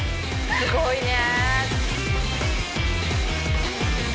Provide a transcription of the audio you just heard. すごいね。